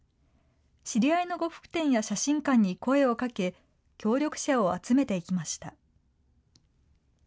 知り合いの呉服店や写真館に声をかけ、協力者を集めていきました。